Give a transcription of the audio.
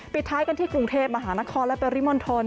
ปิดท้ายกันที่กรุงเทพมหานครและปริมณฑล